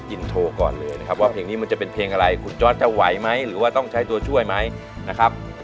อินโทรก่อนเลยนะครับว่าเพลงนี้มันจะเป็นเพลงอะไรคุณจอร์ดจะไหวไหมหรือว่าต้องใช้ตัวช่วยไหมนะครับ